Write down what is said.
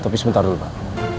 tapi sebentar dulu pak